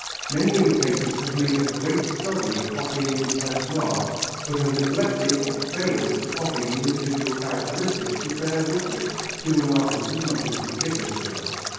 Many imitators have made a great study of copying impressed marks, but have neglected or failed to copy the individual characteristics that bear witness to an artist as much as his signature.